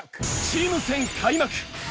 チーム戦開幕！